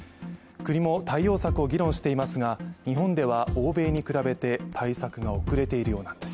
国も対応策を議論していますが、日本では欧米に比べて対策が遅れているようなんです。